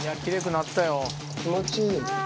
気持ちいい？